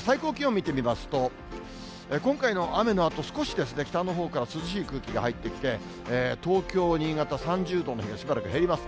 最高気温を見てみますと、今回の雨のあと、少しですね、北のほうから涼しい空気が入ってきて、東京、新潟３０度の日がしばらく減ります。